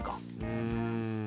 うん。